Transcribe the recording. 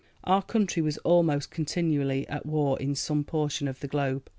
Our country was almost continually at war in some portion of the globe.